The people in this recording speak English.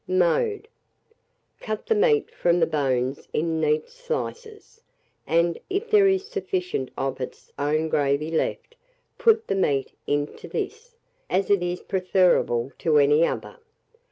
Mode. Cut the meat from the bones in neat slices, and, if there is sufficient of its own gravy left, put the meat into this, as it is preferable to any other.